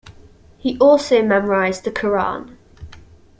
He also memorised the Qur'an.